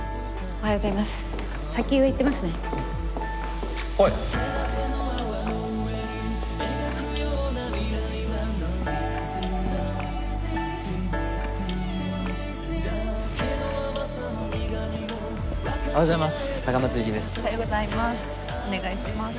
おはようございます。